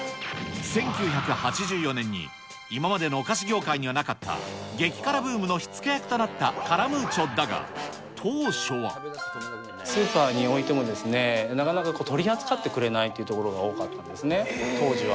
１９８４年に、今までのお菓子業界にはなかった激辛ブームの火付け役となったカスーパーにおいても、なかなか取り扱ってくれないというところが多かったんですね、当時は。